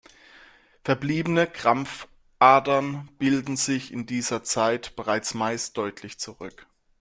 Verbliebene Krampfadern bilden sich in dieser Zeit bereits meist deutlich zurück.